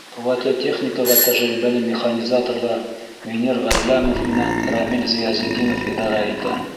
Ҡеүәтле техникаға тәжрибәле механизаторҙар Венер Ғәлләмов менән Рәмил Зыязетдинов идара итә.